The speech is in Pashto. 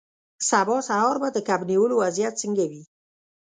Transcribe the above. سبا سهار به د کب نیولو وضعیت څنګه وي